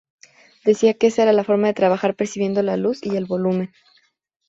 Decía que esa era la forma de trabajar percibiendo la luz y el volumen.